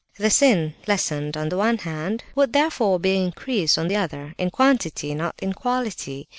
The sin, lessened on the one hand, would therefore be increased on the other, in quantity, not in quality.